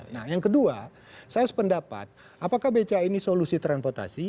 nah yang kedua saya sependapat apakah beca ini solusi transportasi